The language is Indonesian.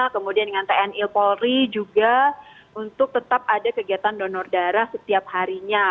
kemudian dengan tni polri juga untuk tetap ada kegiatan donor darah setiap harinya